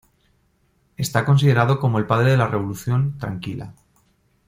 Está considerado como el padre de la Revolución Tranquila.